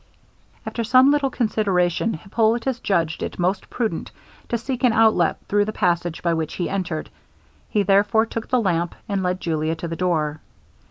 After some little consideration, Hippolitus judged it most prudent to seek an outlet through the passage by which he entered; he therefore took the lamp, and led Julia to the door.